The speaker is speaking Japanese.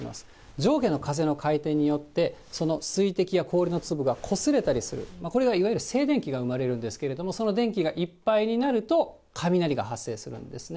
上下の風の回転によって、その水滴や氷の粒がこすれたりする、これがいわゆる静電気が生まれるんですけれども、その電気がいっぱいになると、雷が発生するんですね。